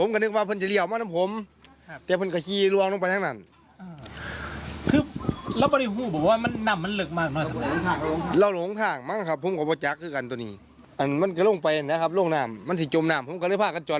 คือลำบริหู่บอกว่านำนั้นลึกมาหนึ่งนักสำเร็จ